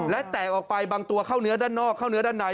และแตกออกไปบางตัวเข้าเนื้อด้านนอกเข้าเนื้อด้านใน